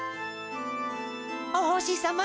おほしさま。